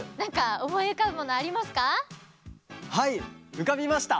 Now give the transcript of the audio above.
うかびました。